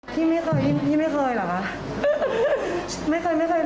พี่ไม่เคยเหรอคะ